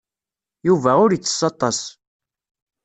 Yuba ur ittess aṭas.